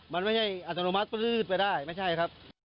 มันไม่ใช่อัตโนมัติปลืดไปได้ไม่ใช่ครับ